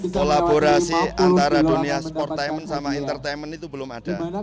kolaborasi antara dunia sportainment sama entertainment itu belum ada